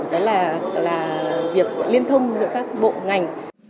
đó là việc liên thông giữa các bộ ngành